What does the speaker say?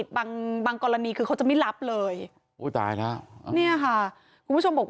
ต้องเทคนิคประวัติใช่ค่ะ